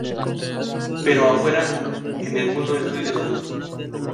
Pero afuera, en el mundo, estoy desnuda.